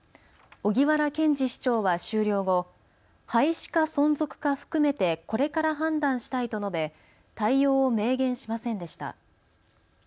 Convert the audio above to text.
荻原健司市長は終了後、廃止か存続か含めてこれから判断したいと述べ対応を明言しませんでした。